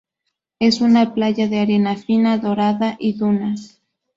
Es una playa de arena fina dorada y dunas.